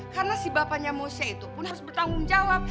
karena si bapaknya moshe itu pun harus bertanggung jawab